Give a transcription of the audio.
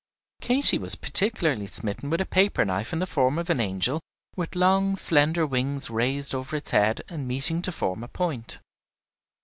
Katy was particularly smitten with a paper knife in the form of an angel with long slender wings raised over its head and meeting to form a point.